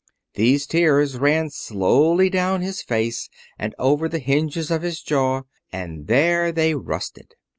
These tears ran slowly down his face and over the hinges of his jaw, and there they rusted.